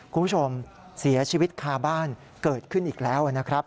คุณผู้ชมเสียชีวิตคาบ้านเกิดขึ้นอีกแล้วนะครับ